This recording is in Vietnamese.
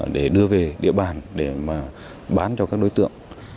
và đưa về địa bàn để bán cho các đối tượng